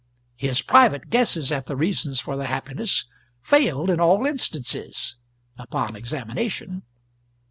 His private guesses at the reasons for the happiness failed in all instances, upon examination.